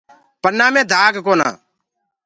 پنآ مي دآگ ڪونآ۔